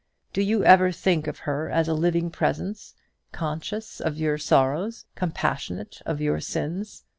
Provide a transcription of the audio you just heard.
Do you ever think of her as a living presence, conscious of your sorrows, compassionate of your sins?